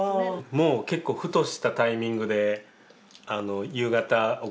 もう結構ふとしたタイミングで夕方お声がけくれて。